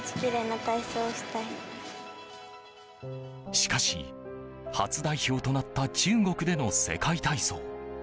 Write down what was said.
しかし、初代表となった中国での世界体操。